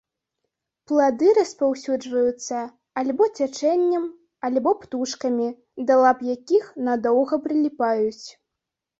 Плады распаўсюджваюцца альбо цячэннем, альбо птушкамі, да лап якіх надоўга прыліпаюць.